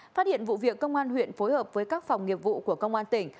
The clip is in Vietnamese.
phát hiện vụ việc công an huyện phối hợp với các phòng nghiệp vụ của công an tỉnh